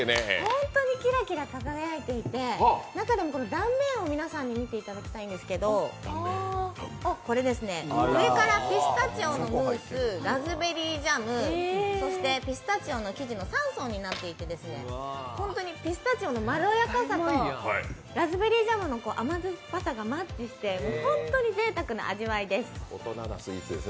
本当にキラキラ輝いていて中でも断面を皆さんに見ていただきたいんですけど上からピスタチオのムース、ラズベリージャム、そしてピスタチオの生地の３層になっていてホントにピスタチオのまろやかさとラズベリージャムの甘酸っぱさがマッチして、本当にぜいたくな味わいです。